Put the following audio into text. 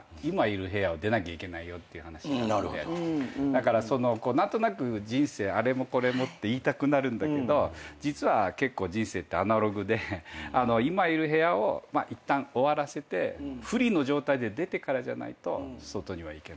だから何となく人生あれもこれもって言いたくなるんだけど実は結構人生ってアナログで今いる部屋をいったん終わらせてフリーの状態で出てからじゃないと外には行けないと。